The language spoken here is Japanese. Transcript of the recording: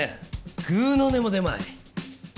ぐうの音も出まい。